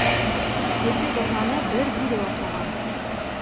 Ете бажаны бер бүре ашаған.